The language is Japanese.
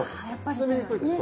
包みにくいです